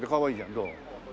どう？